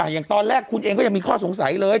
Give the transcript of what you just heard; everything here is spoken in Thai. อย่างตอนแรกคุณเองก็ยังมีข้อสงสัยเลย